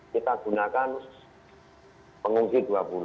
kita gunakan pengungsi dua puluh